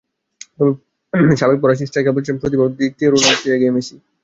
তবে সাবেক ফরাসি স্ট্রাইকার বলছেন প্রতিভার দিক থেকে রোনালদোর চেয়ে এগিয়ে মেসি।